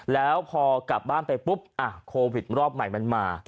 แล้วพอกลับบ้านไปปุ๊บโควิดรอบใหม่มันมา